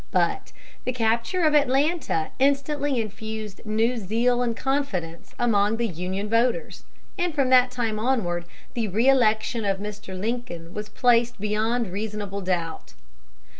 But the capture of Atlanta instantly infused new zeal and confidence among the Union voters, and from that time onward, the reëlection of Mr. Lincoln was placed beyond reasonable doubt.